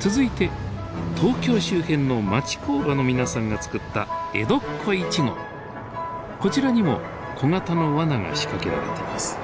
続いて東京周辺の町工場の皆さんが作ったこちらにも小型のワナが仕掛けられています。